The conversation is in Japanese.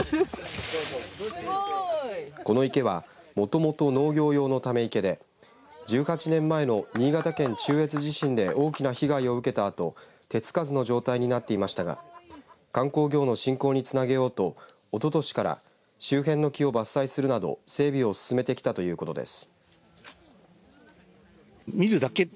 この池はもともと農業用のため池で１８年前の新潟県中越地震で大きな被害を受けたあと手つかずの状態になっていましたが観光業の振興につなげようとおととしから周辺の木を伐採するなど整備を進めてきたということです。